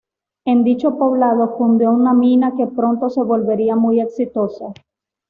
En dicho poblado, fundó una mina que pronto se volvería muy exitosa.